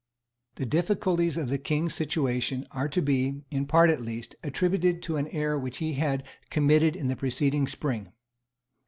The difficulties of the King's situation are to be, in part at least, attributed to an error which he had committed in the preceding spring.